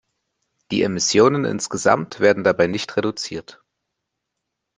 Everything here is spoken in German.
Die Emissionen insgesamt werden dabei nicht reduziert.